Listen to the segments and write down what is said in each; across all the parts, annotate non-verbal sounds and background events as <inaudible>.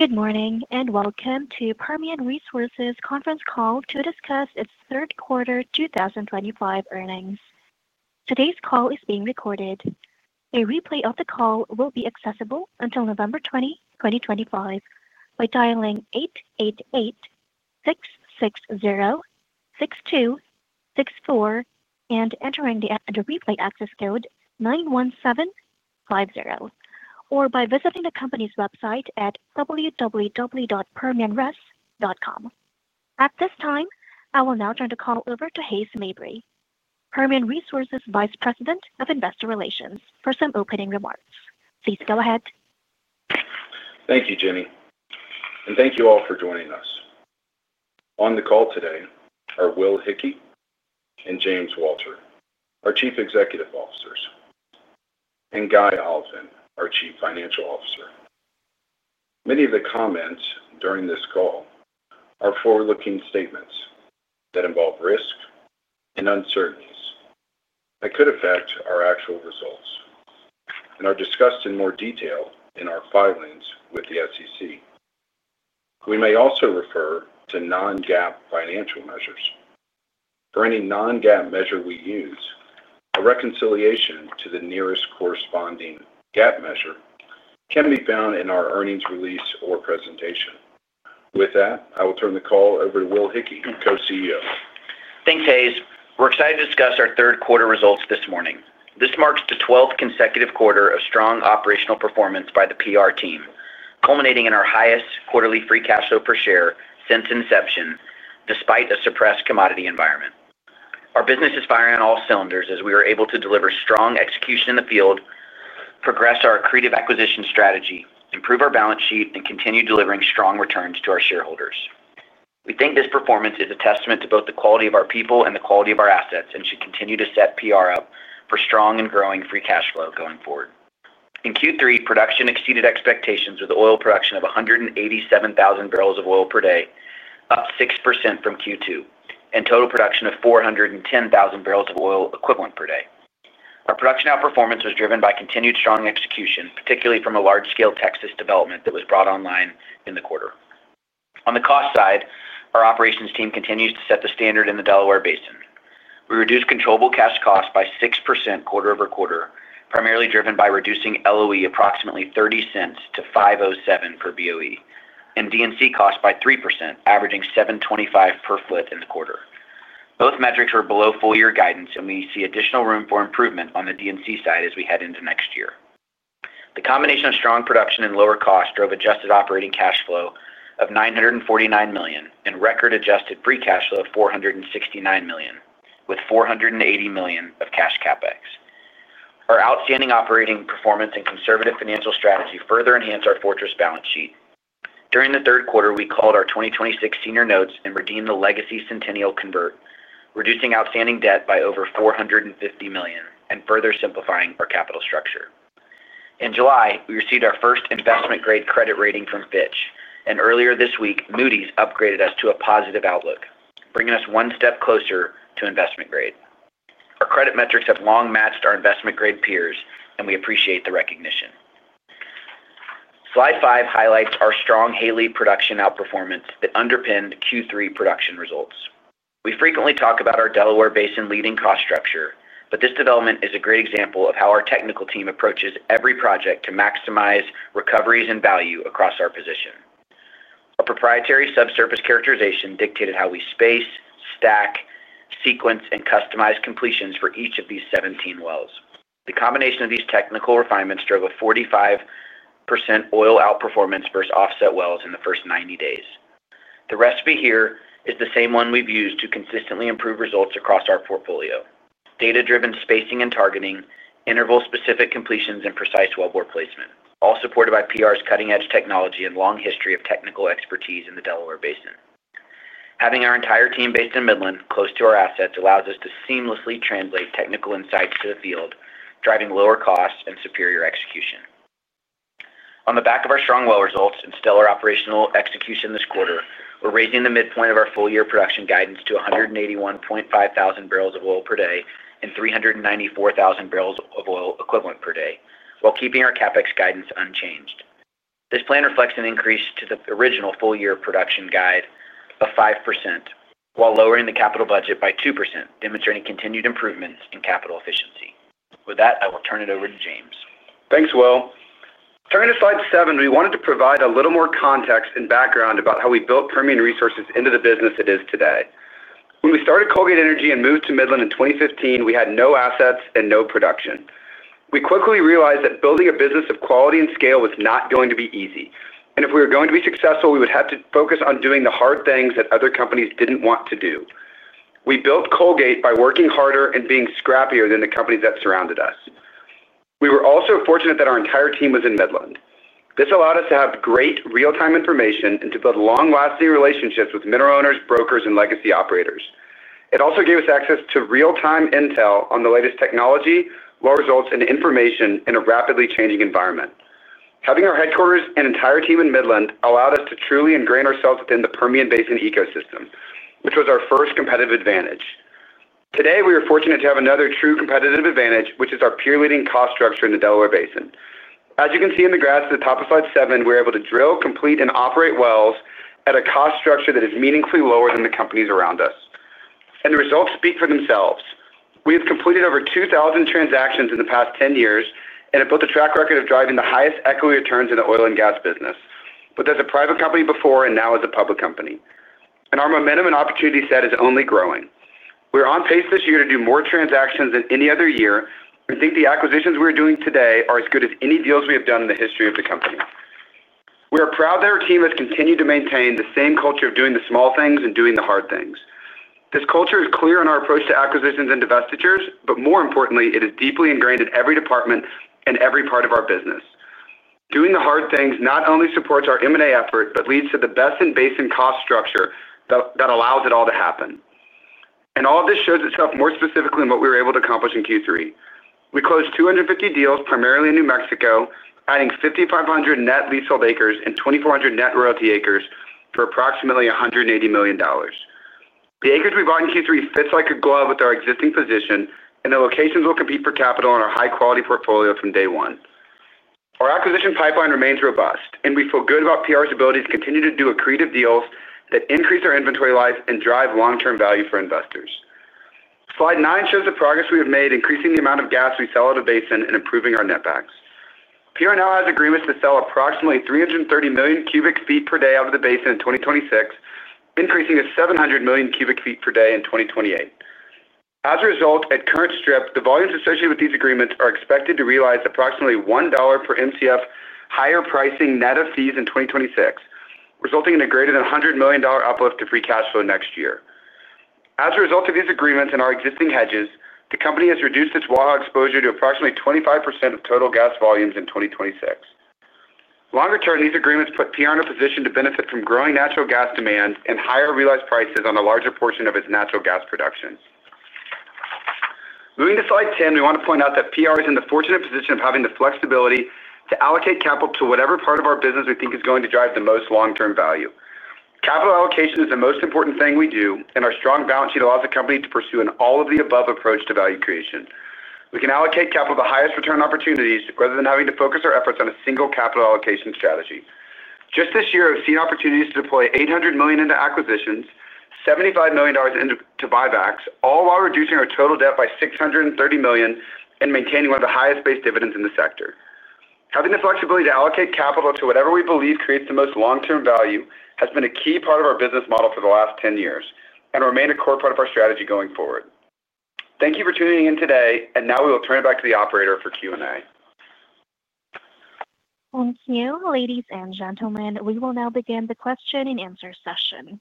Good morning and welcome to Permian Resources' conference call to discuss its third quarter 2025 earnings. Today's call is being recorded. A replay of the call will be accessible until November 20, 2025, by dialing 888-660-6264 and entering the <audio distortion> access code 91750, or by visiting the company's website at www.permianres.com. At this time, I will now turn the call over to Hays Mabry, Permian Resources' Vice President of Investor Relations, for some opening remarks. Please go ahead. Thank you, Jenny. Thank you all for joining us. On the call today are Will Hickey and James Walter, our Chief Executive Officers, and Guy Oliphint, our Chief Financial Officer. Many of the comments during this call are forward-looking statements that involve risk and uncertainties that could affect our actual results and are discussed in more detail in our filings with the SEC. We may also refer to non-GAAP financial measures. For any non-GAAP measure we use, a reconciliation to the nearest corresponding GAAP measure can be found in our earnings release or presentation. With that, I will turn the call over to Will Hickey, Co-CEO. Thanks, Hays. We're excited to discuss our third quarter results this morning. This marks the 12th consecutive quarter of strong operational performance by the PR team, culminating in our highest quarterly free cash flow per share since inception, despite a suppressed commodity environment. Our business is firing on all cylinders as we are able to deliver strong execution in the field, progress our accretive acquisition strategy, improve our balance sheet, and continue delivering strong returns to our shareholders. We think this performance is a testament to both the quality of our people and the quality of our assets, and should continue to set PR up for strong and growing free cash flow going forward. In Q3, production exceeded expectations with oil production of 187,000 barrels of oil per day, up 6% from Q2, and total production of 410,000 barrels of oil equivalent per day. Our production outperformance was driven by continued strong execution, particularly from a large-scale Texas development that was brought online in the quarter. On the cost side, our operations team continues to set the standard in the Delaware Basin. We reduced controllable cash costs by 6% quarter-over-quarter, primarily driven by reducing LOE approximately $0.30-$5.07 per BOE, and D&C costs by 3%, averaging $7.25 per foot in the quarter. Both metrics were below full-year guidance, and we see additional room for improvement on the D&C side as we head into next year. The combination of strong production and lower costs drove adjusted operating cash flow of $949 million and record adjusted free cash flow of $469 million, with $480 million of cash CapEx. Our outstanding operating performance and conservative financial strategy further enhanced our fortress balance sheet. During the third quarter, we called our 2026 senior notes and redeemed the legacy Centennial Convert, reducing outstanding debt by over $450 million and further simplifying our capital structure. In July, we received our first investment-grade credit rating from Fitch, and earlier this week, Moody's upgraded us to a positive outlook, bringing us one step closer to investment grade. Our credit metrics have long matched our investment-grade peers, and we appreciate the recognition. Slide 5 highlights our strong Haley production outperformance that underpinned Q3 production results. We frequently talk about our Delaware Basin leading cost structure, but this development is a great example of how our technical team approaches every project to maximize recoveries and value across our position. A proprietary subsurface characterization dictated how we space, stack, sequence, and customize completions for each of these 17 wells. The combination of these technical refinements drove a 45% oil outperformance versus offset wells in the first 90 days. The recipe here is the same one we've used to consistently improve results across our portfolio: data-driven spacing and targeting, interval-specific completions, and precise wellbore placement, all supported by PR's cutting-edge technology and long history of technical expertise in the Delaware Basin. Having our entire team based in Midland, close to our assets, allows us to seamlessly translate technical insights to the field, driving lower costs and superior execution. On the back of our strong well results and stellar operational execution this quarter, we're raising the midpoint of our full-year production guidance to 181.5 thousand barrels of oil per day and 394 thousand barrels of oil equivalent per day, while keeping our CapEx guidance unchanged. This plan reflects an increase to the original full-year production guide of 5%, while lowering the capital budget by 2%, demonstrating continued improvements in capital efficiency. With that, I will turn it over to James. Thanks, Will. Turning to slide 7, we wanted to provide a little more context and background about how we built Permian Resources into the business it is today. When we started Colgate Energy and moved to Midland in 2015, we had no assets and no production. We quickly realized that building a business of quality and scale was not going to be easy. If we were going to be successful, we would have to focus on doing the hard things that other companies did not want to do. We built Colgate by working harder and being scrappier than the companies that surrounded us. We were also fortunate that our entire team was in Midland. This allowed us to have great real-time information and to build long-lasting relationships with mineral owners, brokers, and legacy operators. It also gave us access to real-time intel on the latest technology, well results, and information in a rapidly changing environment. Having our headquarters and entire team in Midland allowed us to truly ingrain ourselves within the Permian Basin ecosystem, which was our first competitive advantage. Today, we are fortunate to have another true competitive advantage, which is our peer-leading cost structure in the Delaware Basin. As you can see in the graphs at the top of slide 7, we're able to drill, complete, and operate wells at a cost structure that is meaningfully lower than the companies around us. The results speak for themselves. We have completed over 2,000 transactions in the past 10 years and have built a track record of driving the highest equity returns in the oil and gas business, both as a private company before and now as a public company. Our momentum and opportunity set is only growing. We are on pace this year to do more transactions than any other year and think the acquisitions we are doing today are as good as any deals we have done in the history of the company. We are proud that our team has continued to maintain the same culture of doing the small things and doing the hard things. This culture is clear in our approach to acquisitions and divestitures, but more importantly, it is deeply ingrained in every department and every part of our business. Doing the hard things not only supports our M&A effort but leads to the best in basin cost structure that allows it all to happen. All of this shows itself more specifically in what we were able to accomplish in Q3. We closed 250 deals, primarily in New Mexico, adding 5,500 net leasehold acres and 2,400 net royalty acres for approximately $180 million. The acres we bought in Q3 fit like a glove with our existing position, and the locations will compete for capital on our high-quality portfolio from day one. Our acquisition pipeline remains robust, and we feel good about PR's ability to continue to do accretive deals that increase our inventory life and drive long-term value for investors. Slide 9 shows the progress we have made, increasing the amount of gas we sell out of the basin and improving our netbacks. PR now has agreements to sell approximately 330 million cu ft per day out of the basin in 2026, increasing to 700 million cu ft per day in 2028. As a result, at current strip, the volumes associated with these agreements are expected to realize approximately $1 per Mcf higher pricing net of fees in 2026, resulting in a greater than $100 million uplift to free cash flow next year. As a result of these agreements and our existing hedges, the company has reduced its Waha exposure to approximately 25% of total gas volumes in 2026. Longer term, these agreements put PR in a position to benefit from growing natural gas demand and higher realized prices on a larger portion of its natural gas production. Moving to slide 10, we want to point out that PR is in the fortunate position of having the flexibility to allocate capital to whatever part of our business we think is going to drive the most long-term value. Capital allocation is the most important thing we do, and our strong balance sheet allows the company to pursue an all-of-the-above approach to value creation. We can allocate capital to highest return opportunities rather than having to focus our efforts on a single capital allocation strategy. Just this year, we've seen opportunities to deploy $800 million into acquisitions, $75 million into buybacks, all while reducing our total debt by $630 million and maintaining one of the highest-based dividends in the sector. Having the flexibility to allocate capital to whatever we believe creates the most long-term value has been a key part of our business model for the last 10 years and remains a core part of our strategy going forward. Thank you for tuning in today, and now we will turn it back to the operator for Q&A. Thank you, ladies and gentlemen. We will now begin the question-and-answer session.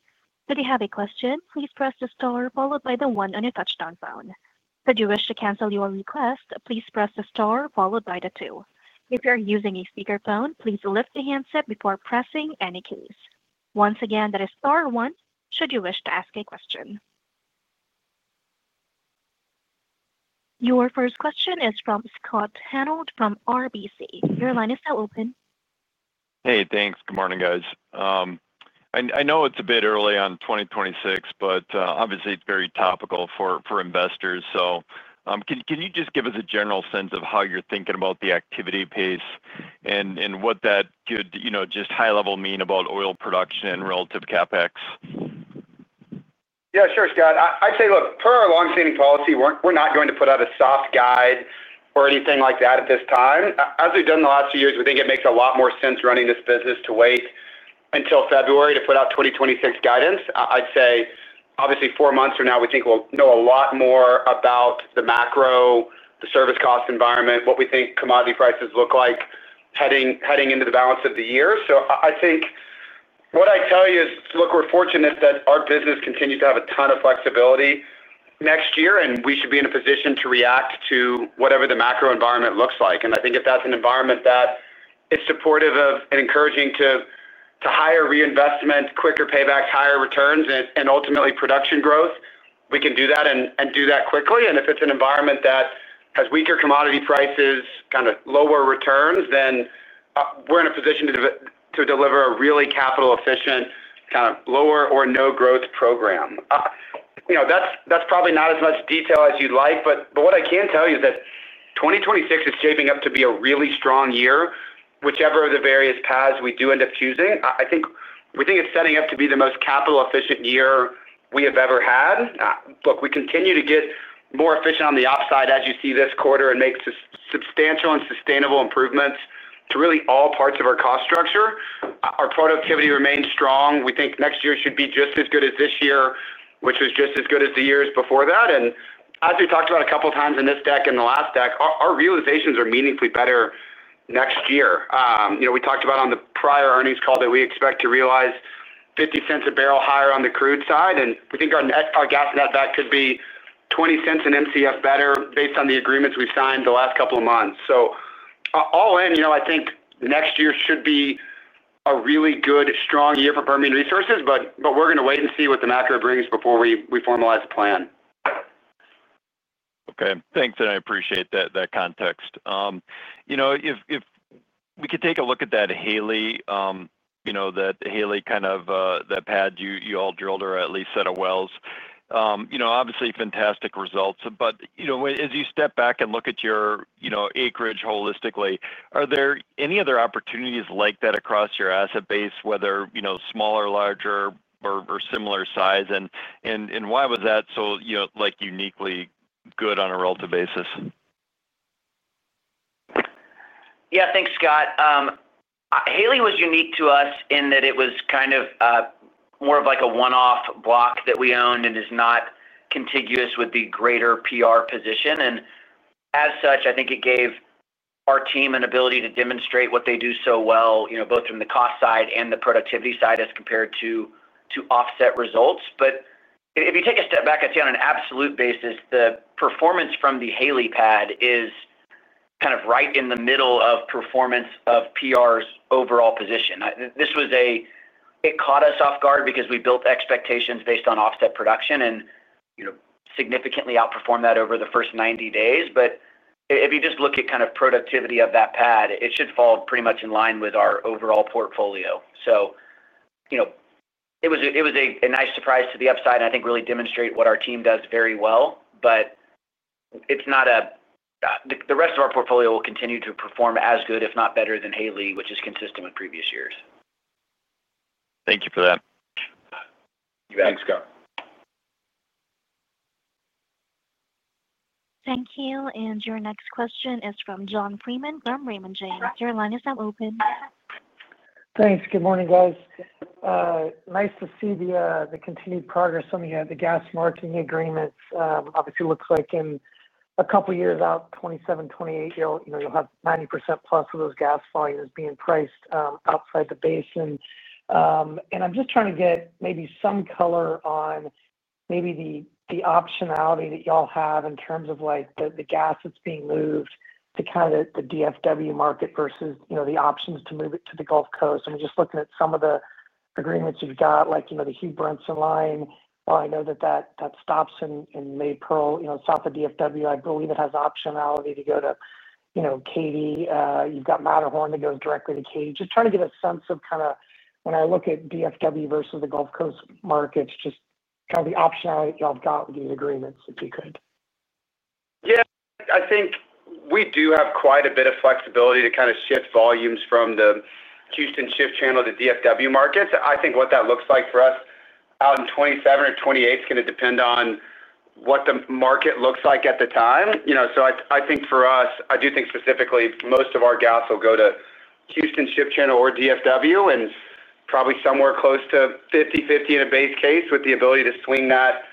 If you have a question, please press the star followed by the one on your touch-tone phone. Should you wish to cancel your request, please press the star followed by the two. If you're using a speakerphone, please lift the handset before pressing any keys. Once again, that is star one should you wish to ask a question. Your first question is from Scott Hanold from RBC. Your line is now open. Hey, thanks. Good morning, guys. I know it's a bit early on 2026, but obviously, it's very topical for investors. Can you just give us a general sense of how you're thinking about the activity pace and what that could just high-level mean about oil production and relative CapEx? Yeah, sure, Scott. I'd say, look, per our longstanding policy, we're not going to put out a soft guide or anything like that at this time. As we've done in the last few years, we think it makes a lot more sense running this business to wait until February to put out 2026 guidance. I'd say, obviously, four months from now, we think we'll know a lot more about the macro, the service cost environment, what we think commodity prices look like heading into the balance of the year. I think what I'd tell you is, look, we're fortunate that our business continues to have a ton of flexibility next year, and we should be in a position to react to whatever the macro environment looks like. I think if that's an environment that is supportive of and encouraging to higher reinvestment, quicker paybacks, higher returns, and ultimately production growth, we can do that and do that quickly. If it's an environment that has weaker commodity prices, kind of lower returns, then we're in a position to deliver a really capital-efficient kind of lower or no-growth program. That's probably not as much detail as you'd like, but what I can tell you is that 2026 is shaping up to be a really strong year, whichever of the various paths we do end up choosing. I think we think it's setting up to be the most capital-efficient year we have ever had. Look, we continue to get more efficient on the upside as you see this quarter and make substantial and sustainable improvements to really all parts of our cost structure. Our productivity remains strong. We think next year should be just as good as this year, which was just as good as the years before that. As we talked about a couple of times in this deck and the last deck, our realizations are meaningfully better next year. We talked about on the prior earnings call that we expect to realize $0.50 a barrel higher on the crude side, and we think our gas netback could be $0.20 an Mcf better based on the agreements we've signed the last couple of months. All in, I think next year should be a really good, strong year for Permian Resources, but we're going to wait and see what the macro brings before we formalize a plan. Okay. Thanks. I appreciate that context. If we could take a look at that Haley, that Haley kind of that pad you all drilled or at least set of wells. Obviously, fantastic results. As you step back and look at your acreage holistically, are there any other opportunities like that across your asset base, whether smaller, larger, or similar size? Why was that so uniquely good on a relative basis? Yeah, thanks, Scott. Haley was unique to us in that it was kind of more of like a one-off block that we owned and is not contiguous with the greater PR position. As such, I think it gave our team an ability to demonstrate what they do so well, both from the cost side and the productivity side as compared to offset results. If you take a step back, I'd say on an absolute basis, the performance from the Haley pad is kind of right in the middle of performance of PR's overall position. This was a it caught us off guard because we built expectations based on offset production and significantly outperformed that over the first 90 days. If you just look at kind of productivity of that pad, it should fall pretty much in line with our overall portfolio. It was a nice surprise to the upside and I think really demonstrated what our team does very well. It is not that the rest of our portfolio will continue to perform as good, if not better, than Haley, which is consistent with previous years. Thank you for that. You bet. Thanks, Scott. Thank you. Your next question is from John Freeman from Raymond James. Your line is now open. Thanks. Good morning, guys. Nice to see the continued progress on the gas marketing agreements. Obviously, it looks like in a couple of years out, 2027, 2028, you'll have 90% plus of those gas volumes being priced outside the basin. I'm just trying to get maybe some color on maybe the optionality that y'all have in terms of the gas that's being moved to kind of the DFW market versus the options to move it to the Gulf Coast. We're just looking at some of the agreements you've got, like the Hugh Brinson line. I know that that stops in Blackcomb south of DFW. I believe it has optionality to go to Katy. You've got Matterhorn that goes directly to Katy. Just trying to get a sense of kind of when I look at DFW versus the Gulf Coast markets, just kind of the optionality y'all've got with these agreements, if you could. Yeah. I think we do have quite a bit of flexibility to kind of shift volumes from the Houston Ship Channel to DFW markets. I think what that looks like for us out in 2027 or 2028 is going to depend on what the market looks like at the time. I think for us, I do think specifically most of our gas will go to Houston Ship Channel or DFW and probably somewhere close to 50/50 in a base case with the ability to swing that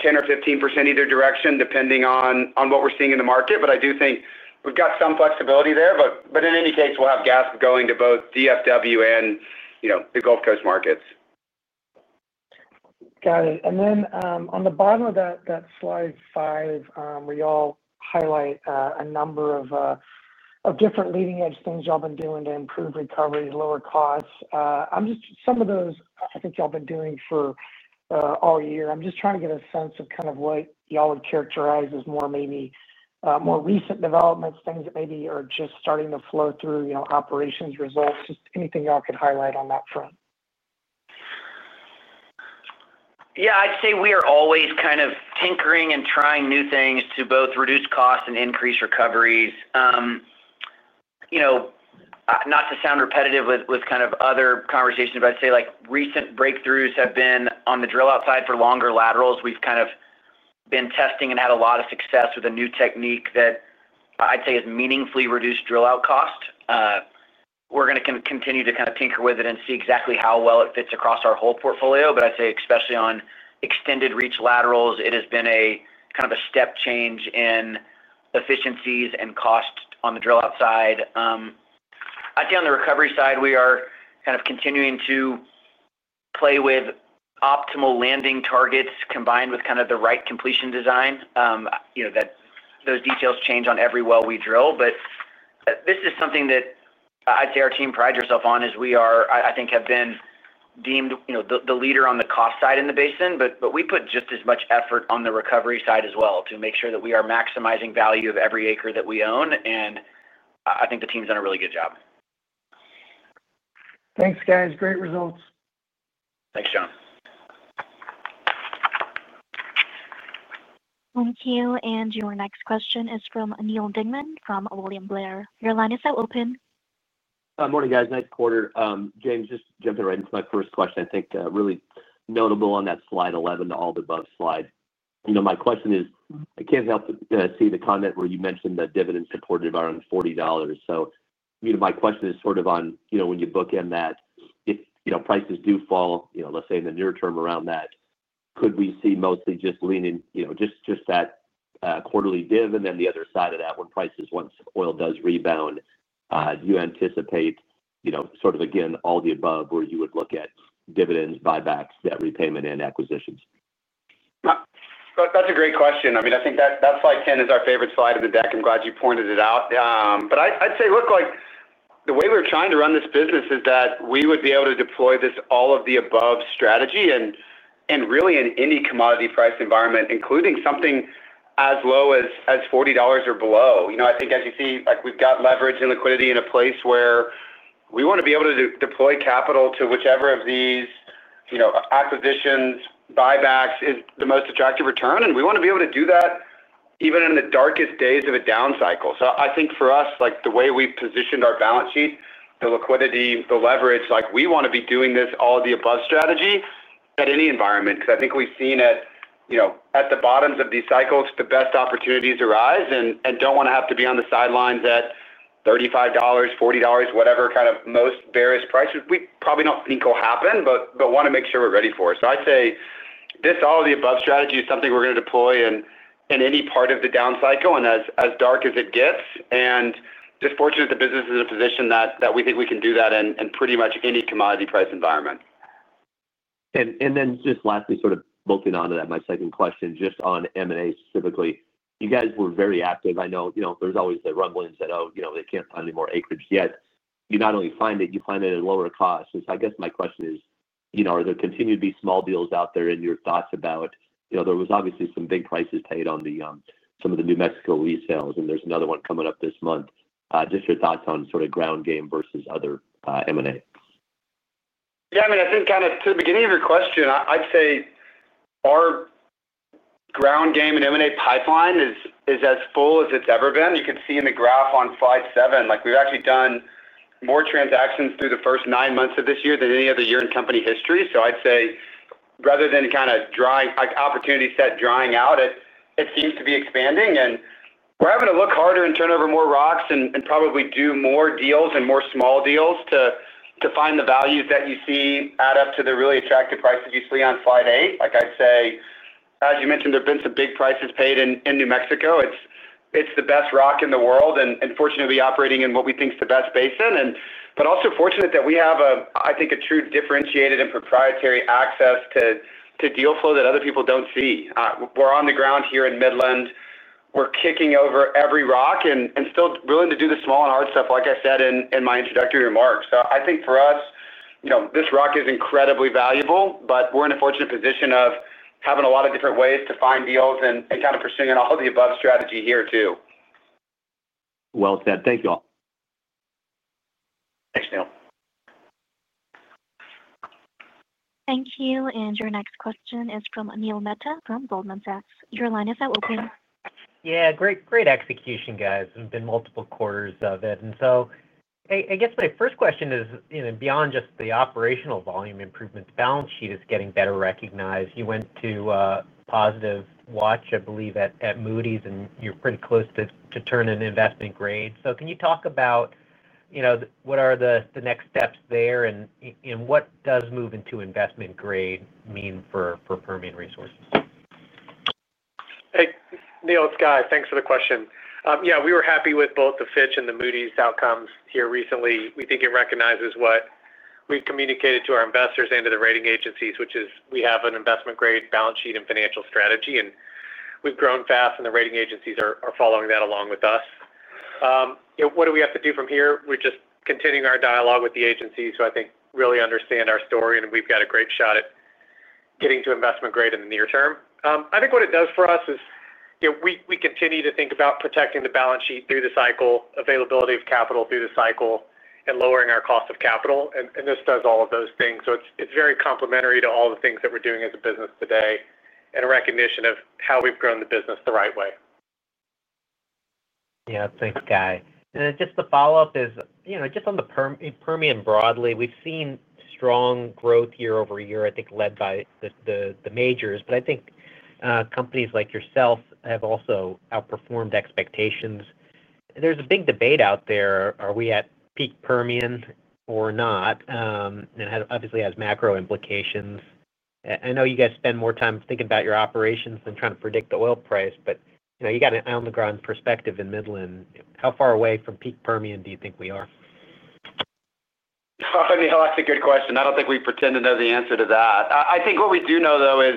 10% or 15% either direction, depending on what we're seeing in the market. I do think we've got some flexibility there. In any case, we'll have gas going to both DFW and the Gulf Coast markets. Got it. On the bottom of that slide five, where y'all highlight a number of different leading-edge things y'all have been doing to improve recovery, lower costs, some of those I think y'all have been doing for all year. I'm just trying to get a sense of kind of what y'all would characterize as maybe more recent developments, things that maybe are just starting to flow through operations results, just anything y'all could highlight on that front. Yeah. I'd say we are always kind of tinkering and trying new things to both reduce costs and increase recoveries. Not to sound repetitive with kind of other conversations, but I'd say recent breakthroughs have been on the drill-out side for longer laterals. We've kind of been testing and had a lot of success with a new technique that I'd say has meaningfully reduced drill-out cost. We're going to continue to kind of tinker with it and see exactly how well it fits across our whole portfolio. I'd say, especially on extended reach laterals, it has been kind of a step change in efficiencies and costs on the drill-out side. I'd say on the recovery side, we are kind of continuing to play with optimal landing targets combined with kind of the right completion design. Those details change on every well we drill. This is something that I'd say our team prides herself on is we are, I think, have been deemed the leader on the cost side in the basin. We put just as much effort on the recovery side as well to make sure that we are maximizing value of every acre that we own. I think the team's done a really good job. Thanks, guys. Great results. Thanks, John. Thank you. Your next question is from Neal Dingmann from William Blair. Your line is now open. Morning, guys. Nice quarter. James, just jumping right into my first question, I think really notable on that slide 11 to all the above slide. My question is, I can't help but see the comment where you mentioned that dividend supported around $40. So my question is sort of on when you bookend that, if prices do fall, let's say in the near term around that, could we see mostly just leaning just that quarterly div and then the other side of that when prices once oil does rebound, do you anticipate sort of, again, all the above where you would look at dividends, buybacks, debt repayment, and acquisitions? That's a great question. I mean, I think that slide 10 is our favorite slide of the deck. I'm glad you pointed it out. I'd say, look, the way we're trying to run this business is that we would be able to deploy this all-of-the-above strategy and really in any commodity price environment, including something as low as $40 or below. I think, as you see, we've got leverage and liquidity in a place where we want to be able to deploy capital to whichever of these. Acquisitions, buybacks is the most attractive return. We want to be able to do that even in the darkest days of a down cycle. I think for us, the way we've positioned our balance sheet, the liquidity, the leverage, we want to be doing this all-of-the-above strategy at any environment because I think we've seen at. The bottoms of these cycles the best opportunities arise and do not want to have to be on the sidelines at $35, $40, whatever kind of most bearish prices. We probably do not think will happen, but want to make sure we are ready for it. I would say this all-of-the-above strategy is something we are going to deploy in any part of the down cycle and as dark as it gets. Just fortunate that the business is in a position that we think we can do that in pretty much any commodity price environment. Just lastly, sort of bolting onto that, my second question, just on M&A specifically, you guys were very active. I know there's always the rumblings that, oh, they can't find any more acreage yet. You not only find it, you find it at lower costs. I guess my question is, are there continued to be small deals out there in your thoughts about there was obviously some big prices paid on some of the New Mexico resales, and there's another one coming up this month. Just your thoughts on sort of ground game versus other M&A? Yeah. I mean, I think kind of to the beginning of your question, I'd say our ground game and M&A pipeline is as full as it's ever been. You can see in the graph on slide seven, we've actually done more transactions through the first nine months of this year than any other year in company history. I'd say rather than kind of opportunity set drying out, it seems to be expanding. We're having to look harder and turn over more rocks and probably do more deals and more small deals to find the values that you see add up to the really attractive prices you see on slide eight. Like I'd say, as you mentioned, there have been some big prices paid in New Mexico. It's the best rock in the world and fortunately operating in what we think is the best basin. are also fortunate that we have, I think, a true differentiated and proprietary access to deal flow that other people do not see. We are on the ground here in Midland. We are kicking over every rock and still willing to do the small and hard stuff, like I said in my introductory remarks. I think for us, this rock is incredibly valuable, but we are in a fortunate position of having a lot of different ways to find deals and kind of pursuing all the above strategy here too. Thank you all. Thanks, Neal. Thank you. Your next question is from Neil Mehta from Goldman Sachs. Your line is now open. Yeah. Great execution, guys. We have been multiple quarters of it. I guess my first question is, beyond just the operational volume improvements, balance sheet is getting better recognized. You went to positive watch, I believe, at Moody's, and you are pretty close to turning investment grade. Can you talk about what are the next steps there and what does moving to investment grade mean for Permian Resources? Hey, Neil, thanks for the question. Yeah, we were happy with both the Fitch and the Moody's outcomes here recently. We think it recognizes what we've communicated to our investors and to the rating agencies, which is we have an investment grade balance sheet and financial strategy. And we've grown fast, and the rating agencies are following that along with us. What do we have to do from here? We're just continuing our dialogue with the agencies who I think really understand our story, and we've got a great shot at getting to investment grade in the near term. I think what it does for us is. We continue to think about protecting the balance sheet through the cycle, availability of capital through the cycle, and lowering our cost of capital. This does all of those things. It's very complementary to all the things that we're doing as a business today and a recognition of how we've grown the business the right way. Yeah. Thanks, Guy. Just the follow-up is just on the Permian broadly, we've seen strong growth year-over-year, I think, led by the majors. I think companies like yourself have also outperformed expectations. There's a big debate out there. Are we at peak Permian or not? It obviously has macro implications. I know you guys spend more time thinking about your operations than trying to predict the oil price, but you got an on-the-ground perspective in Midland. How far away from peak Permian do you think we are? Neil, that's a good question. I don't think we pretend to know the answer to that. I think what we do know, though, is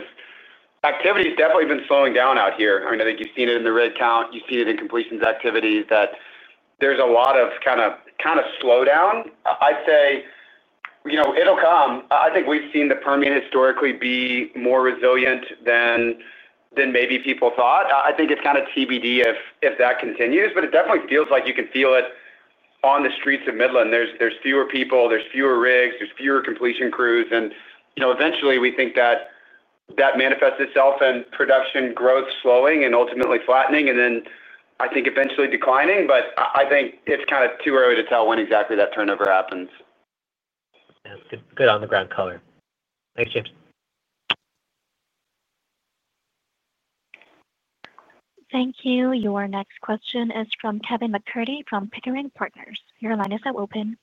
activity has definitely been slowing down out here. I mean, I think you've seen it in the rig count. You've seen it in completions activity that there's a lot of kind of slowdown. I'd say it will come. I think we've seen the Permian historically be more resilient than maybe people thought. I think it's kind of TBD if that continues. It definitely feels like you can feel it on the streets of Midland. There's fewer people, there's fewer rigs, there's fewer completion crews. Eventually, we think that manifests itself in production growth slowing and ultimately flattening, and then I think eventually declining. I think it's kind of too early to tell when exactly that turnover happens. Good on-the-ground color. Thanks, James. Thank you. Your next question is from Kevin McCurdy from Pickering Partners. Your line is now open.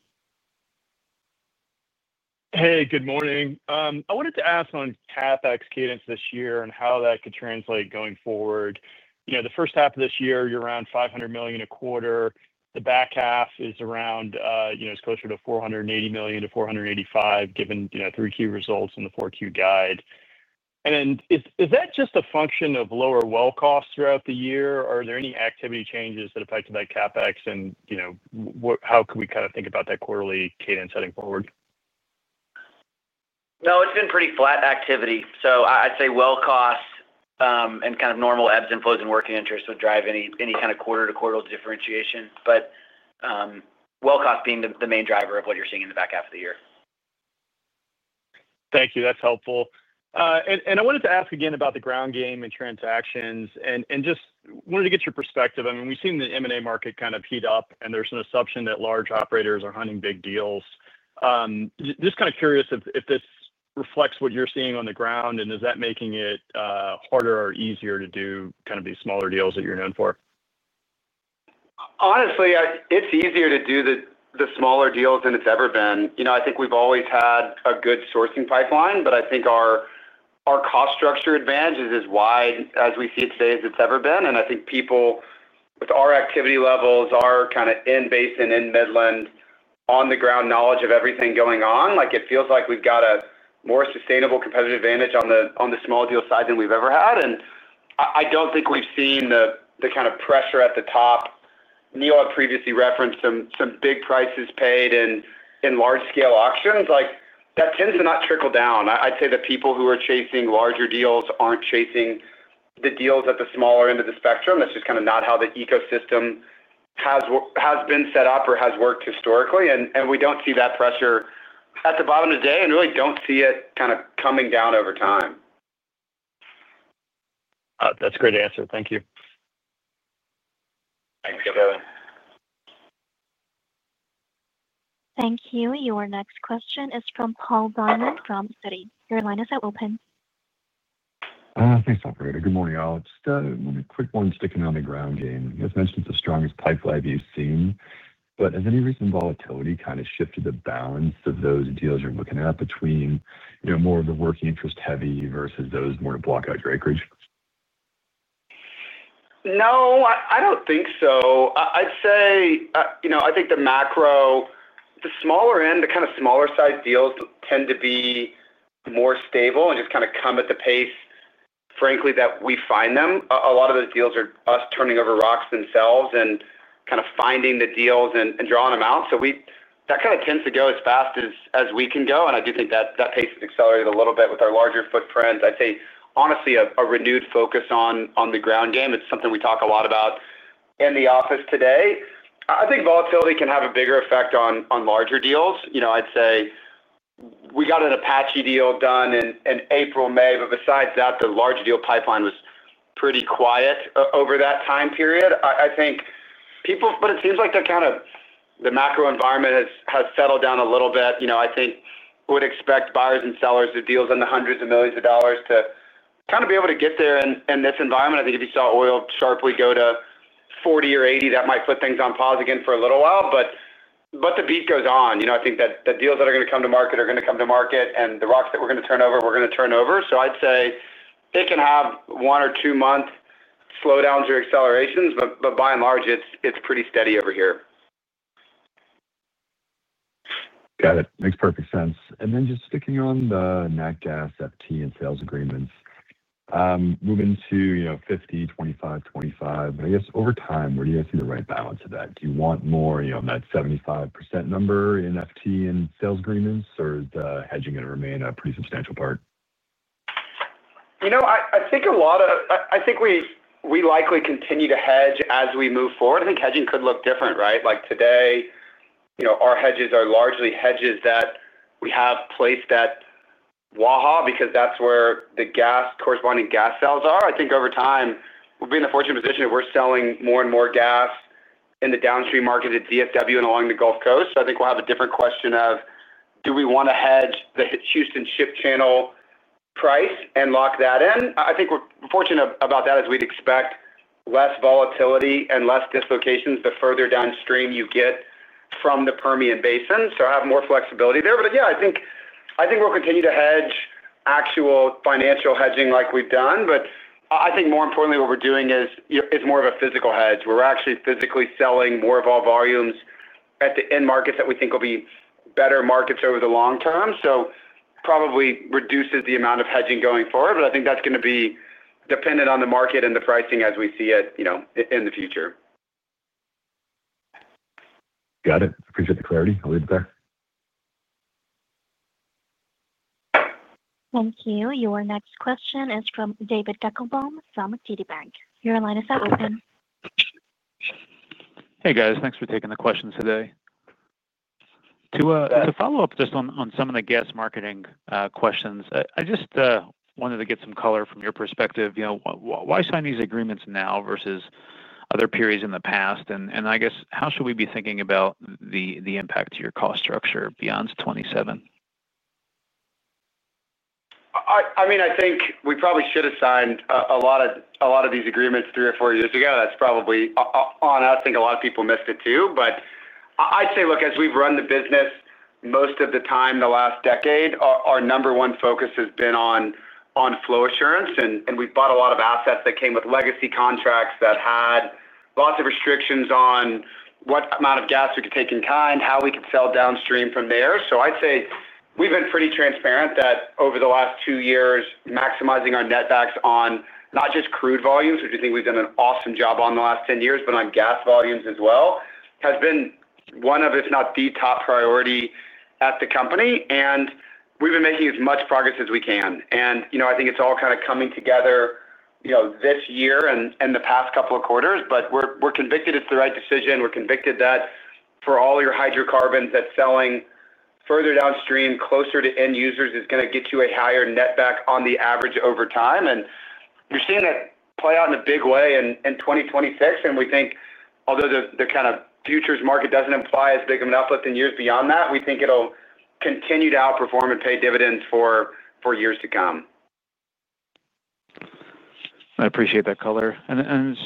Hey, good morning. I wanted to ask on CapEx cadence this year and how that could translate going forward. The first half of this year, you're around $500 million a quarter. The back half is around. It's closer to $480 million-$485 million, given 3Q results and the 4Q guide. Is that just a function of lower well costs throughout the year? Are there any activity changes that affected that CapEx? How could we kind of think about that quarterly cadence heading forward? No, it's been pretty flat activity. I'd say well cost and kind of normal ebbs and flows in working interest would drive any kind of quarter-to-quarter differentiation. Well cost being the main driver of what you're seeing in the back half of the year. Thank you. That's helpful. I wanted to ask again about the ground game and transactions. I just wanted to get your perspective. I mean, we've seen the M&A market kind of heat up, and there's an assumption that large operators are hunting big deals. Just kind of curious if this reflects what you're seeing on the ground, and is that making it harder or easier to do kind of these smaller deals that you're known for? Honestly, it's easier to do the smaller deals than it's ever been. I think we've always had a good sourcing pipeline, but I think our cost structure advantage is as wide as we see it today as it's ever been. I think people, with our activity levels, our kind of in basin, in Midland, on-the-ground knowledge of everything going on, it feels like we've got a more sustainable competitive advantage on the small deal side than we've ever had. I don't think we've seen the kind of pressure at the top. Neil had previously referenced some big prices paid in large-scale auctions. That tends to not trickle down. I'd say the people who are chasing larger deals aren't chasing the deals at the smaller end of the spectrum. That's just kind of not how the ecosystem has been set up or has worked historically. We do not see that pressure at the bottom of the day and really do not see it kind of coming down over time. That's a great answer. Thank you. Thanks, Kevin. Thank you. Your next question is from Paul Diamond from Citi. Your line is now open. Thanks. Good morning, y'all. Just a quick one sticking on the ground game. You guys mentioned it's the strongest pipeline you've seen. Has any recent volatility kind of shifted the balance of those deals you're looking at between more of the working interest heavy versus those more to block out your acreage? No, I do not think so. I would say I think the macro, the smaller end, the kind of smaller-sized deals tend to be more stable and just kind of come at the pace, frankly, that we find them. A lot of those deals are us turning over rocks themselves and kind of finding the deals and drawing them out. That kind of tends to go as fast as we can go. I do think that pace has accelerated a little bit with our larger footprint. I would say, honestly, a renewed focus on the ground game. It is something we talk a lot about in the office today. I think volatility can have a bigger effect on larger deals. I would say we got an Apache deal done in April, May, but besides that, the large deal pipeline was pretty quiet over that time period, I think. People, but it seems like they're kind of the macro environment has settled down a little bit. I think we would expect buyers and sellers of deals in the hundreds of millions of dollars to kind of be able to get there in this environment. I think if you saw oil sharply go to $40 or $80, that might put things on pause again for a little while. The beat goes on. I think that the deals that are going to come to market are going to come to market, and the rocks that we're going to turn over, we're going to turn over. I'd say it can have one- or two-month slowdowns or accelerations, but by and large, it's pretty steady over here. Got it. Makes perfect sense. Just sticking on the NatGas, FT, and sales agreements. Moving to 50, 25, 25. I guess over time, where do you guys see the right balance of that? Do you want more on that 75% number in FT and sales agreements, or is the hedging going to remain a pretty substantial part? I think we likely continue to hedge as we move forward. I think hedging could look different, right? Like today, our hedges are largely hedges that we have placed at Waha because that's where the corresponding gas sales are. I think over time, we'll be in the fortunate position if we're selling more and more gas in the downstream market at DFW and along the Gulf Coast. I think we'll have a different question of, do we want to hedge the Houston Ship Channel price and lock that in? I think we're fortunate about that as we'd expect less volatility and less dislocations the further downstream you get from the Permian Basin. I have more flexibility there. Yeah, I think we'll continue to hedge actual financial hedging like we've done. I think more importantly, what we are doing is more of a physical hedge. We are actually physically selling more of our volumes at the end markets that we think will be better markets over the long term. This probably reduces the amount of hedging going forward. I think that is going to be dependent on the market and the pricing as we see it in the future. Got it. Appreciate the clarity. I'll leave it there. Thank you. Your next question is from David Deckelbaum from TD Bank. Your line is now open. Hey, guys. Thanks for taking the questions today. To follow up just on some of the gas marketing questions, I just wanted to get some color from your perspective. Why sign these agreements now versus other periods in the past? I guess, how should we be thinking about the impact to your cost structure beyond 2027? I mean, I think we probably should have signed a lot of these agreements three or four years ago. That's probably on us. I think a lot of people missed it too. I'd say, look, as we've run the business, most of the time the last decade, our number one focus has been on flow assurance. We bought a lot of assets that came with legacy contracts that had lots of restrictions on what amount of gas we could take in kind, how we could sell downstream from there. I'd say we've been pretty transparent that over the last two years, maximizing our net backs on not just crude volumes, which I think we've done an awesome job on the last 10 years, but on gas volumes as well, has been one of, if not the top priority at the company. We have been making as much progress as we can. I think it is all kind of coming together this year and the past couple of quarters. We are convicted it is the right decision. We are convicted that for all your hydrocarbons, selling further downstream, closer to end users, is going to get you a higher net back on the average over time. You are seeing that play out in a big way in 2026. We think, although the kind of futures market does not imply as big of an uplift in years beyond that, it will continue to outperform and pay dividends for years to come. I appreciate that color.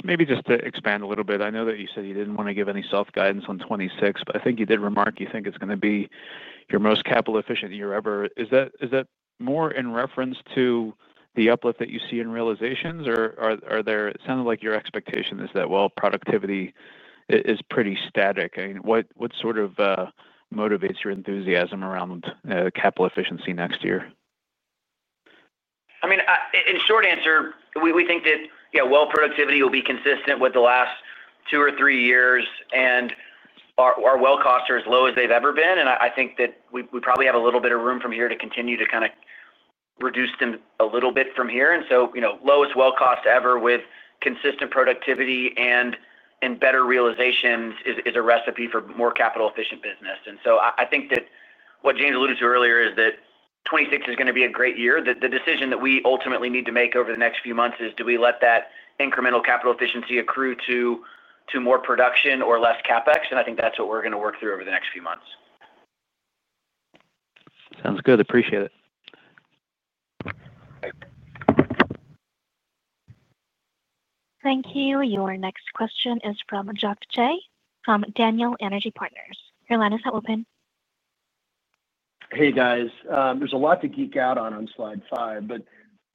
Maybe just to expand a little bit, I know that you said you did not want to give any self-guidance on 2026, but I think you did remark you think it is going to be your most capital-efficient year ever. Is that more in reference to the uplift that you see in realizations, or it sounded like your expectation is that, I mean, productivity is pretty static. I mean, what sort of motivates your enthusiasm around capital efficiency next year? I mean, in short answer, we think that, yeah, well productivity will be consistent with the last two or three years. Our well costs are as low as they've ever been. I think that we probably have a little bit of room from here to continue to kind of reduce them a little bit from here. Lowest well cost ever with consistent productivity and better realizations is a recipe for more capital-efficient business. I think that what James alluded to earlier is that 2026 is going to be a great year. The decision that we ultimately need to make over the next few months is, do we let that incremental capital efficiency accrue to more production or less CapEx? I think that's what we're going to work through over the next few months. Sounds good. Appreciate it. Thank you. Your next question is from Josh Jayne from Daniel Energy Partners. Your line is now open. Hey, guys. There's a lot to geek out on on slide five, but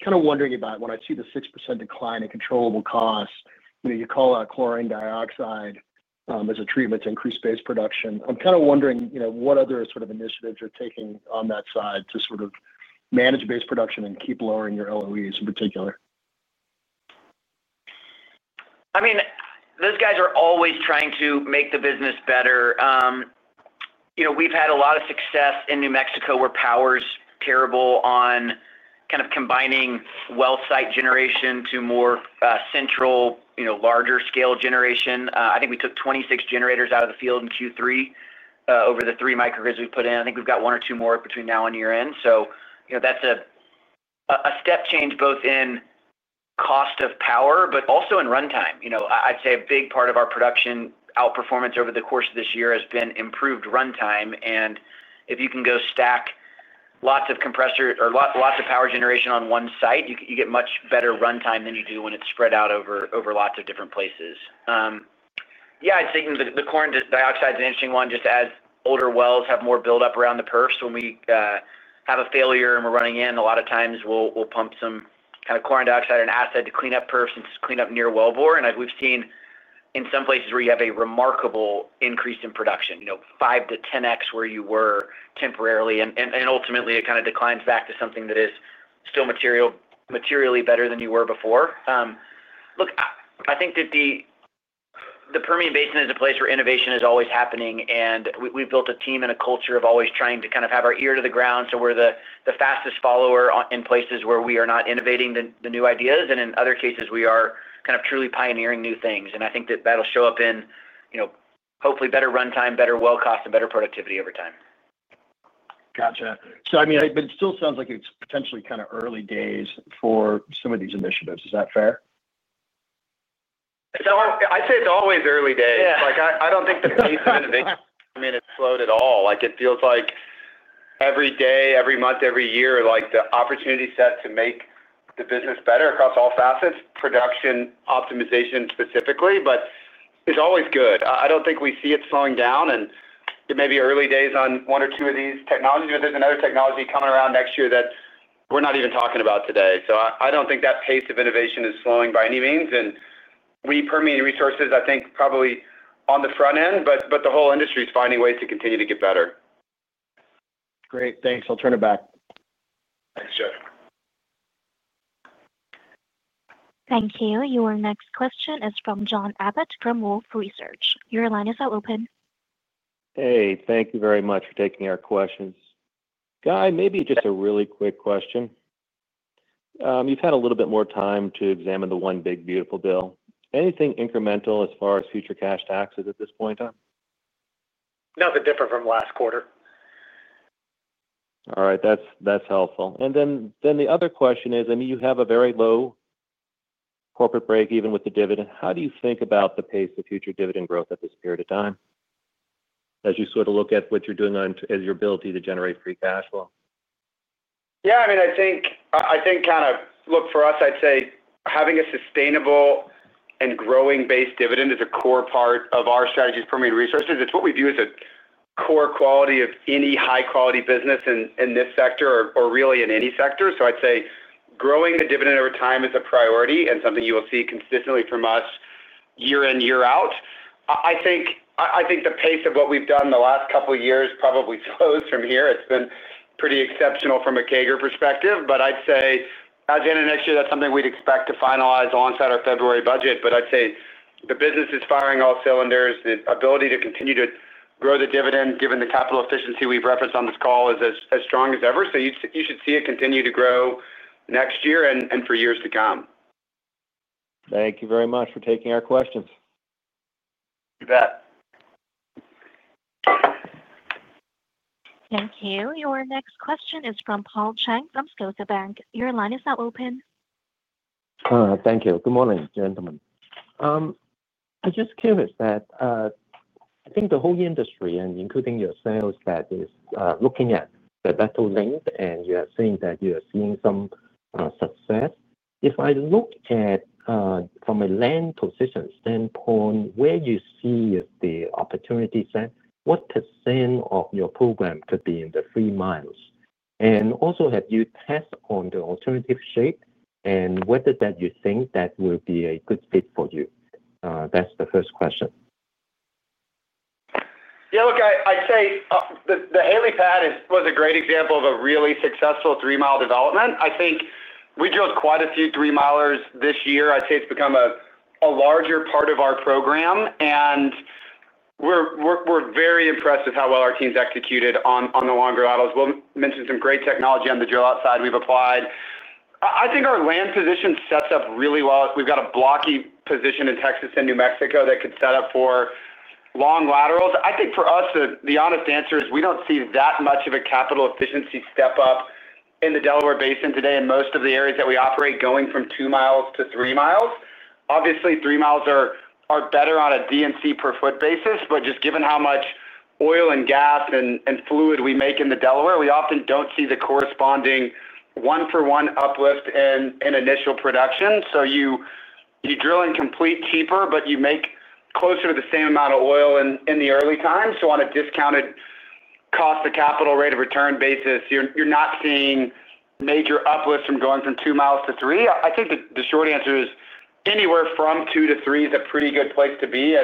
kind of wondering about when I see the 6% decline in controllable costs, you call out chlorine dioxide as a treatment to increase base production. I'm kind of wondering what other sort of initiatives you're taking on that side to sort of manage base production and keep lowering your LOEs in particular. I mean, those guys are always trying to make the business better. We've had a lot of success in New Mexico where power's terrible on kind of combining well site generation to more central, larger scale generation. I think we took 26 generators out of the field in Q3 over the three microgrids we put in. I think we've got one or two more between now and year-end. That is a step change both in cost of power, but also in runtime. I'd say a big part of our production outperformance over the course of this year has been improved runtime. If you can go stack lots of compressor or lots of power generation on one site, you get much better runtime than you do when it's spread out over lots of different places. I'd say the chlorine dioxide is an interesting one. Just as older wells have more buildup around the perfs, when we have a failure and we're running in, a lot of times we'll pump some kind of chlorine dioxide or an acid to clean up perfs and just clean up near wellbore. We've seen in some places where you have a remarkable increase in production, 5x-10x where you were temporarily. Ultimately, it kind of declines back to something that is still materially better than you were before. Look, I think that the Permian Basin is a place where innovation is always happening. We've built a team and a culture of always trying to kind of have our ear to the ground. We're the fastest follower in places where we are not innovating the new ideas. In other cases, we are kind of truly pioneering new things. I think that that'll show up in hopefully better runtime, better well cost, and better productivity over time. Gotcha. I mean, it still sounds like it's potentially kind of early days for some of these initiatives. Is that fair? I'd say it's always early days. I don't think the pace of innovation has slowed at all. It feels like every day, every month, every year, the opportunity set to make the business better across all facets, production optimization specifically, but it's always good. I don't think we see it slowing down. It may be early days on one or two of these technologies, but there's another technology coming around next year that we're not even talking about today. I don't think that pace of innovation is slowing by any means. We at Permian Resources, I think, are probably on the front end, but the whole industry is finding ways to continue to get better. Great. Thanks. I'll turn it back. Thanks, Jeff. Thank you. Your next question is from John Abbott from Wolfe Research. Your line is now open. Hey, thank you very much for taking our questions. Guy, maybe just a really quick question. You've had a little bit more time to examine the one big beautiful bill. Anything incremental as far as future cash taxes at this point in time? Nothing different from last quarter. All right. That's helpful. I mean, you have a very low corporate break even with the dividend. How do you think about the pace of future dividend growth at this period of time? As you sort of look at what you're doing as your ability to generate free cash flow? Yeah. I mean, I think kind of look for us, I'd say having a sustainable and growing-based dividend is a core part of our strategy at Permian Resources. It's what we view as a core quality of any high-quality business in this sector or really in any sector. I'd say growing the dividend over time is a priority and something you will see consistently from us year in, year out. I think the pace of what we've done the last couple of years probably slows from here. It's been pretty exceptional from a CAGR perspective. I'd say, as in next year, that's something we'd expect to finalize alongside our February budget. I'd say the business is firing all cylinders. The ability to continue to grow the dividend, given the capital efficiency we've referenced on this call, is as strong as ever. You should see it continue to grow next year and for years to come. Thank you very much for taking our questions. You bet. Thank you. Your next question is from Paul Cheng from Scotiabank. Your line is now open. Thank you. Good morning, gentlemen. I'm just curious that. I think the whole industry, and including yourselves, is looking at the battle land, and you are saying that you are seeing some success. If I look at, from a land position standpoint, where you see the opportunity set, what percent of your program could be in the free miles? And also, have you tested on the alternative shape and whether that you think that will be a good fit for you? That's the first question. Yeah. Look, I'd say the Haley pad was a great example of a really successful three-mile development. I think we drilled quite a few three-milers this year. I'd say it's become a larger part of our program. We're very impressed with how well our team's executed on the longer laterals. We'll mention some great technology on the drill outside we've applied. I think our land position sets up really well. We've got a blocky position in Texas and New Mexico that could set up for long laterals. I think for us, the honest answer is we don't see that much of a capital efficiency step-up in the Delaware Basin today in most of the areas that we operate going from two miles to three miles. Obviously, three miles are better on a D&C per foot basis, but just given how much oil and gas and fluid we make in the Delaware, we often do not see the corresponding one-for-one uplift in initial production. You drill and complete cheaper, but you make closer to the same amount of oil in the early time. On a discounted cost-to-capital rate of return basis, you are not seeing major uplift from going from two miles to three. I think the short answer is anywhere from two to three is a pretty good place to be.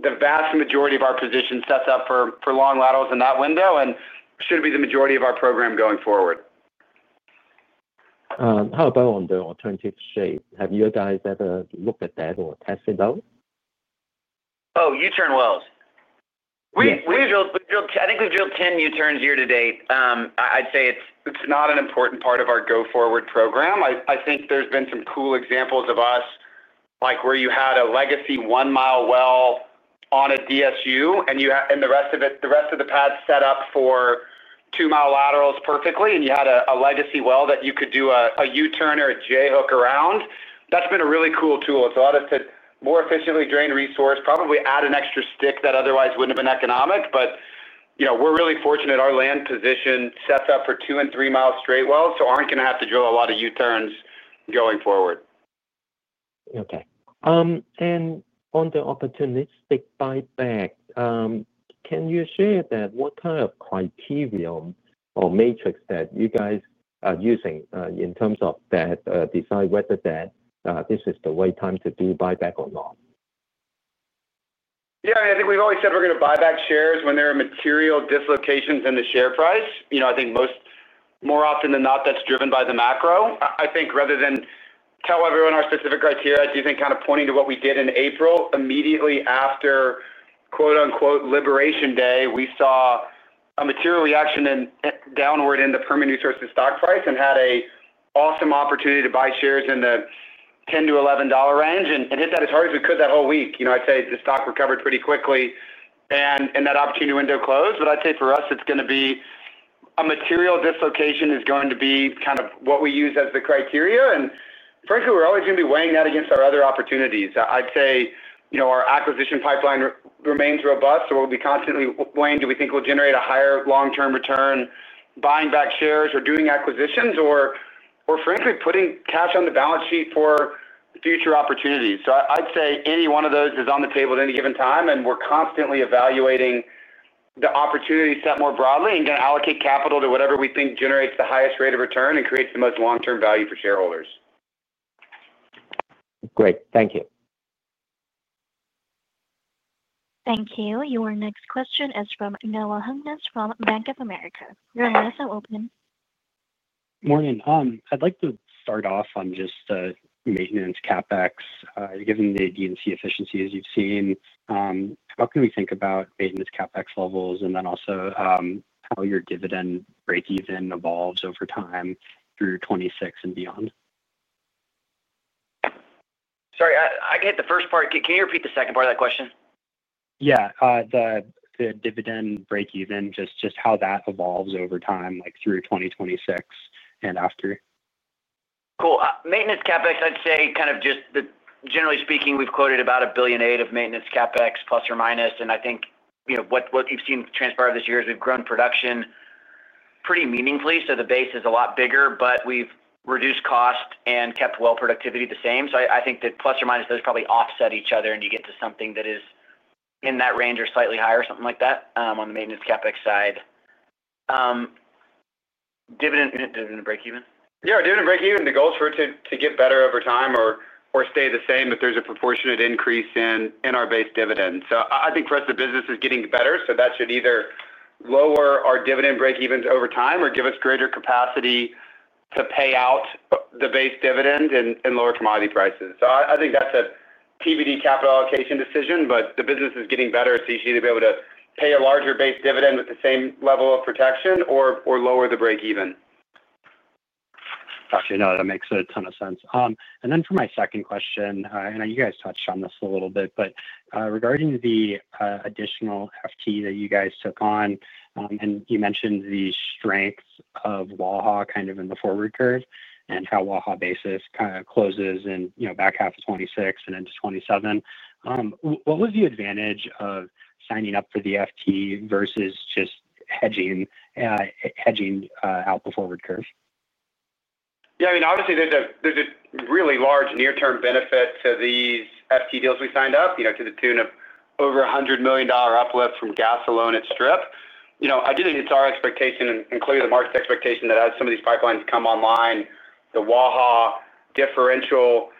The vast majority of our position sets up for long laterals in that window and should be the majority of our program going forward. How about on the alternative shape? Have you guys ever looked at that or tested those? Oh, U-turn wells. I think we've drilled 10 U-turns year to date. I'd say it's not an important part of our go-forward program. I think there's been some cool examples of us where you had a legacy one-mile well on a DSU, and the rest of the pad set up for two-mile laterals perfectly, and you had a legacy well that you could do a U-turn or a J-hook around. That's been a really cool tool. It's allowed us to more efficiently drain resource, probably add an extra stick that otherwise wouldn't have been economic. We're really fortunate our land position sets up for two and three-mile straight wells, so aren't going to have to drill a lot of U-turns going forward. Okay. On the opportunistic buyback, can you share what kind of criterion or matrix that you guys are using in terms of that to decide whether this is the right time to do buyback or not? Yeah. I think we've always said we're going to buy back shares when there are material dislocations in the share price. I think more often than not, that's driven by the macro. I think rather than tell everyone our specific criteria, I do think kind of pointing to what we did in April, immediately after "Liberation Day," we saw a material reaction downward in the Permian Resources stock price and had an awesome opportunity to buy shares in the $10-$11 range and hit that as hard as we could that whole week. I'd say the stock recovered pretty quickly and that opportunity window closed. I'd say for us, it's going to be a material dislocation is going to be kind of what we use as the criteria. Frankly, we're always going to be weighing that against our other opportunities. I'd say our acquisition pipeline remains robust, so we'll be constantly weighing do we think we'll generate a higher long-term return buying back shares or doing acquisitions or, frankly, putting cash on the balance sheet for future opportunities. I'd say any one of those is on the table at any given time, and we're constantly evaluating the opportunity set more broadly and going to allocate capital to whatever we think generates the highest rate of return and creates the most long-term value for shareholders. Great. Thank you. Thank you. Your next question is from Noah Hungness from Bank of America. Your line is now open. Morning. I'd like to start off on just maintenance CapEx. Given the D&C efficiency as you've seen. How can we think about maintenance CapEx levels and then also how your dividend rate even evolves over time through 2026 and beyond? Sorry, I can hit the first part. Can you repeat the second part of that question? Yeah. The dividend break-even, just how that evolves over time through 2026 and after. Cool. Maintenance CapEx, I'd say kind of just generally speaking, we've quoted about $1 billion eight of maintenance CapEx plus or minus. I think what you've seen transpire this year is we've grown production pretty meaningfully. The base is a lot bigger, but we've reduced cost and kept well productivity the same. I think that plus or minus, those probably offset each other and you get to something that is in that range or slightly higher, something like that on the maintenance CapEx side. Dividend break-even? Yeah. Dividend break-even, the goal is for it to get better over time or stay the same if there's a proportionate increase in our base dividend. I think for us, the business is getting better. That should either lower our dividend break-evens over time or give us greater capacity to pay out the base dividend at lower commodity prices. I think that's a TBD capital allocation decision, but the business is getting better. It's easy to be able to pay a larger base dividend with the same level of protection or lower the break-even. Gotcha. No, that makes a ton of sense. For my second question, and you guys touched on this a little bit, but regarding the additional FT that you guys took on, and you mentioned the strengths of Waha kind of in the forward curve and how Waha basis kind of closes in back half of 2026 and into 2027. What was the advantage of signing up for the FT versus just hedging out the forward curve? Yeah. I mean, obviously, there's a really large near-term benefit to these FT deals we signed up to the tune of over $100 million uplift from gas alone at strip. I do think it's our expectation and clearly the market's expectation that as some of these pipelines come online, the Waha differential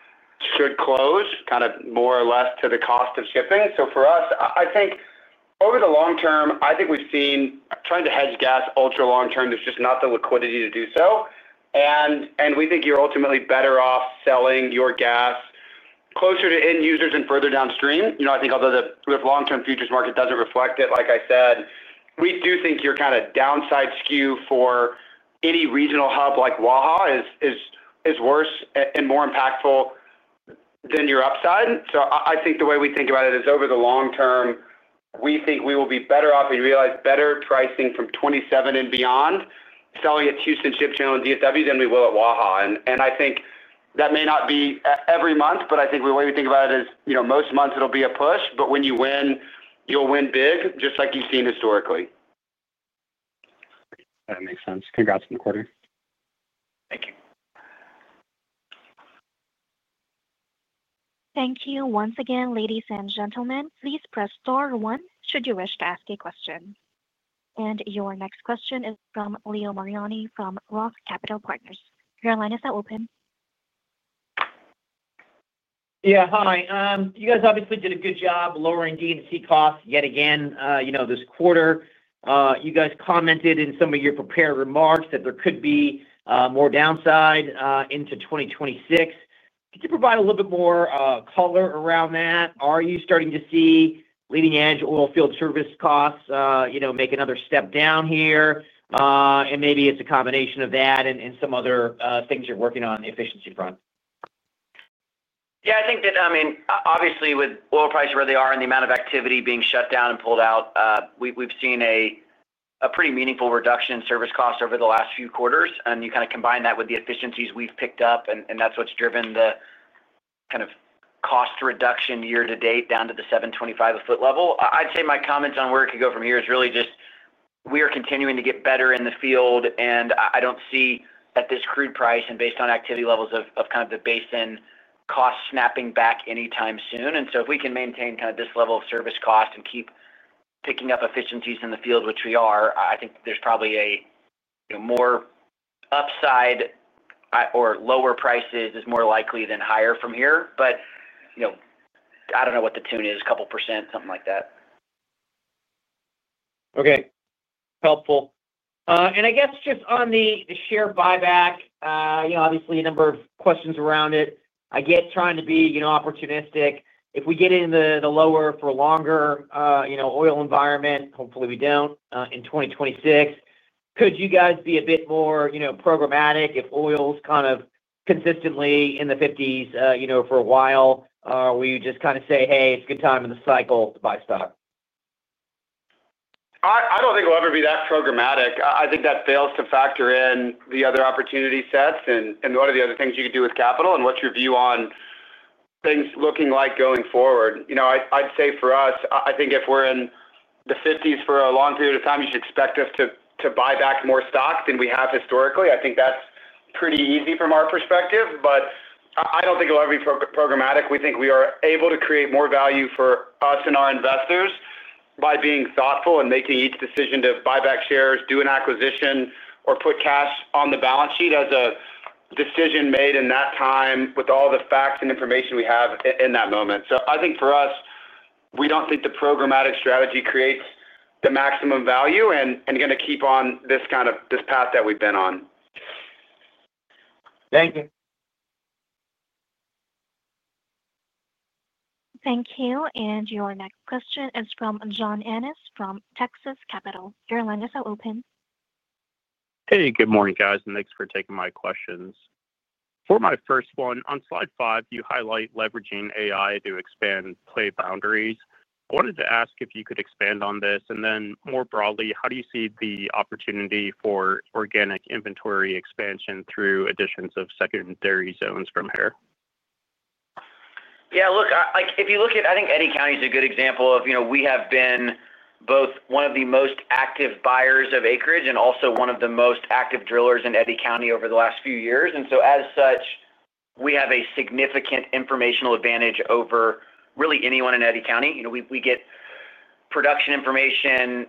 should close kind of more or less to the cost of shipping. For us, I think over the long term, I think we've seen trying to hedge gas ultra long term, there's just not the liquidity to do so. We think you're ultimately better off selling your gas closer to end users and further downstream. I think although the long-term futures market doesn't reflect it, like I said, we do think your kind of downside skew for any regional hub like Waha is worse and more impactful than your upside. I think the way we think about it is over the long term, we think we will be better off and realize better pricing from 2027 and beyond selling at Houston Ship Channel and DFW than we will at Waha. I think that may not be every month, but I think the way we think about it is most months it'll be a push, but when you win, you'll win big, just like you've seen historically. That makes sense. Congrats on the quarter. Thank you. Thank you once again, ladies and gentlemen. Please press star one should you wish to ask a question. Your next question is from Leo Mariani from ROTH Capital Partners. Your line is now open. Yeah. Hi. You guys obviously did a good job lowering D&C costs yet again this quarter. You guys commented in some of your prepared remarks that there could be more downside into 2026. Could you provide a little bit more color around that? Are you starting to see leading-edge oil field service costs make another step down here? And maybe it's a combination of that and some other things you're working on on the efficiency front. Yeah. I think that, I mean, obviously, with oil prices where they are and the amount of activity being shut down and pulled out, we've seen a pretty meaningful reduction in service costs over the last few quarters. You kind of combine that with the efficiencies we've picked up, and that's what's driven the kind of cost reduction year to date down to the $725 a foot level. I'd say my comments on where it could go from here is really just we are continuing to get better in the field, and I don't see at this crude price and based on activity levels of kind of the basin cost snapping back anytime soon. If we can maintain kind of this level of service cost and keep picking up efficiencies in the field, which we are, I think there's probably more upside. Or lower prices is more likely than higher from here. I don't know what the tune is, a couple percent, something like that. Okay. Helpful. I guess just on the share buyback, obviously, a number of questions around it. I get trying to be opportunistic. If we get in the lower for longer oil environment, hopefully we do not, in 2026, could you guys be a bit more programmatic if oil is kind of consistently in the 50s for a while? Or will you just kind of say, "Hey, it is a good time in the cycle to buy stock"? I do not think we will ever be that programmatic. I think that fails to factor in the other opportunity sets and what are the other things you could do with capital and what is your view on things looking like going forward? I would say for us, I think if we are in the 50s for a long period of time, you should expect us to buy back more stock than we have historically. I think that is pretty easy from our perspective. I do not think we will ever be programmatic. We think we are able to create more value for us and our investors by being thoughtful and making each decision to buy back shares, do an acquisition, or put cash on the balance sheet as a decision made in that time with all the facts and information we have in that moment. I think for us, we don't think the programmatic strategy creates the maximum value and going to keep on this path that we've been on. Thank you. Thank you. Your next question is from John Annis from Texas Capital. Your line is now open. Hey, good morning, guys, and thanks for taking my questions. For my first one, on slide five, you highlight leveraging AI to expand play boundaries. I wanted to ask if you could expand on this and then more broadly, how do you see the opportunity for organic inventory expansion through additions of secondary zones from here? Yeah. Look, if you look at, I think Eddy County is a good example of we have been both one of the most active buyers of acreage and also one of the most active drillers in Eddy County over the last few years. As such, we have a significant informational advantage over really anyone in Eddy County. We get production information,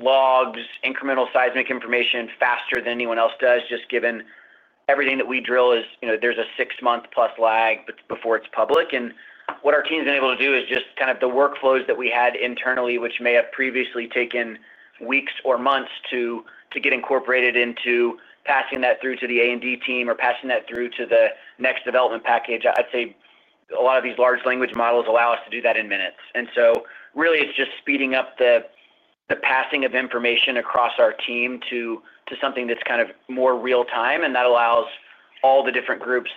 logs, incremental seismic information faster than anyone else does, just given everything that we drill is there's a six-month-plus lag before it's public. What our team's been able to do is just kind of the workflows that we had internally, which may have previously taken weeks or months to get incorporated into passing that through to the A&D team or passing that through to the next development package. I'd say a lot of these large language models allow us to do that in minutes. It is just speeding up the passing of information across our team to something that is kind of more real-time. That allows all the different groups,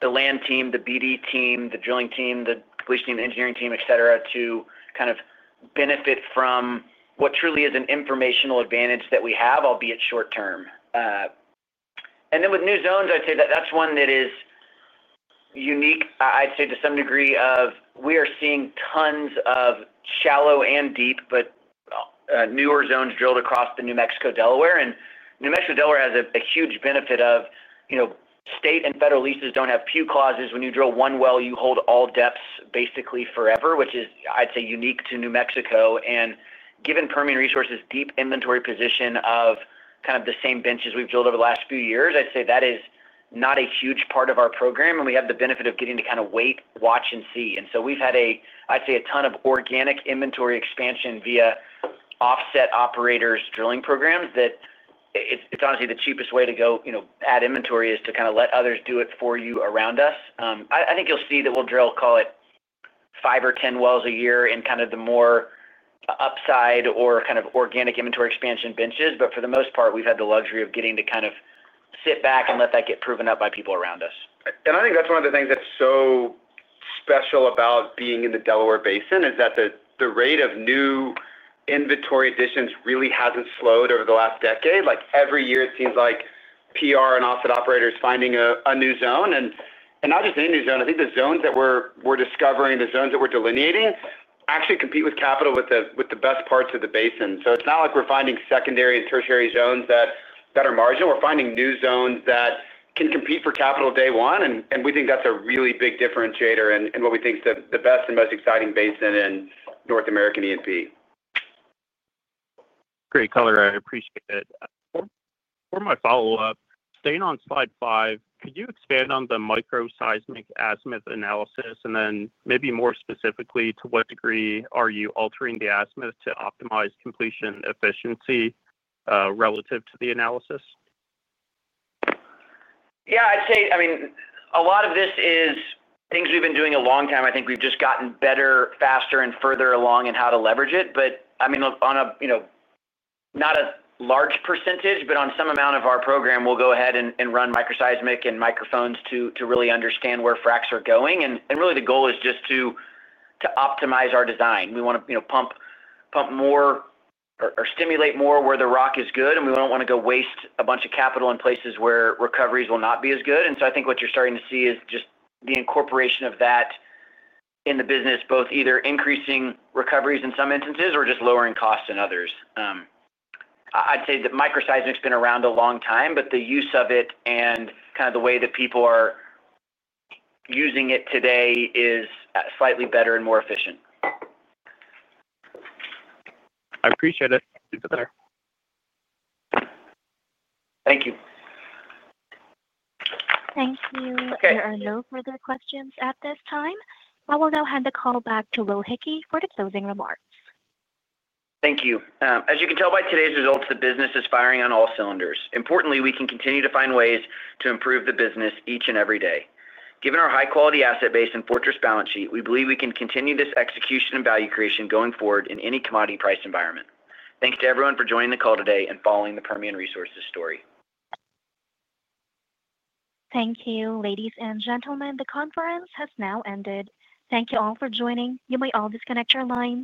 the land team, the BD team, the drilling team, the completion team, the engineering team, etc., to kind of benefit from what truly is an informational advantage that we have, albeit short-term. With new zones, I would say that is one that is unique, I would say to some degree. We are seeing tons of shallow and deep, but newer zones drilled across the New Mexico, Delaware. New Mexico, Delaware has a huge benefit because state and federal leases do not have Pugh clauses. When you drill one well, you hold all depths basically forever, which is, I would say, unique to New Mexico. Given Permian Resources' deep inventory position of kind of the same benches we've drilled over the last few years, I'd say that is not a huge part of our program. We have the benefit of getting to kind of wait, watch, and see. We've had, I'd say, a ton of organic inventory expansion via offset operators' drilling programs. It's honestly the cheapest way to go add inventory, to kind of let others do it for you around us. I think you'll see that we'll drill, call it, 5 or 10 wells a year in kind of the more upside or kind of organic inventory expansion benches. For the most part, we've had the luxury of getting to kind of sit back and let that get proven up by people around us. I think that's one of the things that's so special about being in the Delaware Basin is that the rate of new inventory additions really hasn't slowed over the last decade. Every year, it seems like PR and offset operators finding a new zone. Not just any new zone. I think the zones that we're discovering, the zones that we're delineating, actually compete with capital with the best parts of the basin. It's not like we're finding secondary and tertiary zones that are marginal. We're finding new zones that can compete for capital day one. We think that's a really big differentiator in what we think is the best and most exciting basin in North American E&P. Great color. I appreciate it. For my follow-up, staying on slide five, could you expand on the microseismic azimuth analysis and then maybe more specifically to what degree are you altering the azimuth to optimize completion efficiency. Relative to the analysis? Yeah. I'd say, I mean, a lot of this is things we've been doing a long time. I think we've just gotten better, faster, and further along in how to leverage it. I mean, on a—not a large percentage, but on some amount of our program, we'll go ahead and run microseismic and microphones to really understand where fracts are going. Really, the goal is just to optimize our design. We want to pump more or stimulate more where the rock is good. We don't want to go waste a bunch of capital in places where recoveries will not be as good. I think what you're starting to see is just the incorporation of that in the business, both either increasing recoveries in some instances or just lowering costs in others. I'd say that microseismic's been around a long time, but the use of it and kind of the way that people are using it today is slightly better and more efficient. I appreciate it. Keep it there. Thank you. Thank you. There are no further questions at this time. I will now hand the call back to Will Hickey for the closing remarks. Thank you. As you can tell by today's results, the business is firing on all cylinders. Importantly, we can continue to find ways to improve the business each and every day. Given our high-quality asset base and fortress balance sheet, we believe we can continue this execution and value creation going forward in any commodity price environment. Thanks to everyone for joining the call today and following the Permian Resources story. Thank you, ladies and gentlemen. The conference has now ended. Thank you all for joining. You may all disconnect your lines.